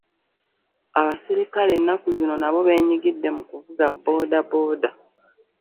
Abasirikale ennaku zino nabo benyigidde mu kuvuga boodabooda.